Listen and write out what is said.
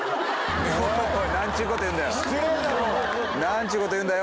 何ちゅうこと言うんだよ。